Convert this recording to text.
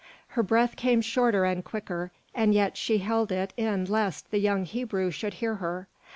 Her breath came shorter and quicker, and yet she held it in lest the young Hebrew should hear her.